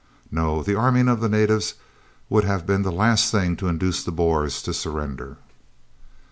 No, the arming of the natives would have been the last thing to induce the Boers to surrender."